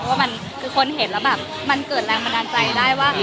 อย่างงี้มันเห็นมันเกิดแรงมันอันใจได้ว่า